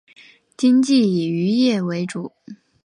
经济以渔业为主。